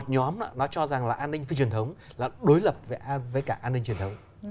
nhóm nó cho rằng là an ninh phi truyền thống là đối lập với cả an ninh truyền thống